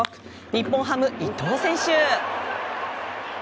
日本ハム、伊藤選手。